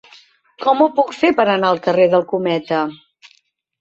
Com ho puc fer per anar al carrer del Cometa?